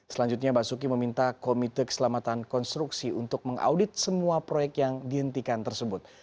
selanjutnya basuki meminta komite keselamatan konstruksi untuk mengaudit semua proyek yang dihentikan tersebut